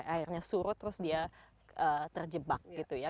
airnya surut terus dia terjebak gitu ya